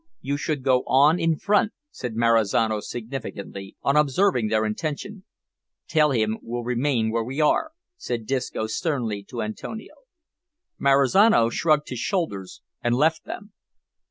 "You should go on in front," said Marizano significantly, on observing their intention. "Tell him we'll remain where we are," said Disco sternly to Antonio. Marizano shrugged his shoulders and left them.